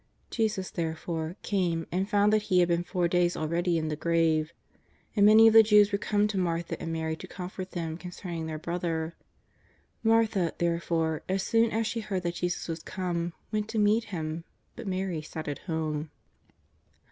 Jesus, therefore, came and found that he had been four days already in the grave. And many of the Jews were come to Martha and Mary to comfort them con cerning their brother. Martha, therefore, as soon as she heard that Jesus was come, went to meet Him, but Mary sat at home.